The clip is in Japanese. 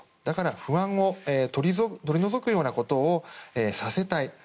だから不安を取り除くようなことをさせたい。